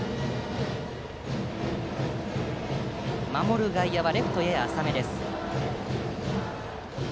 守る外野はレフトやや浅め。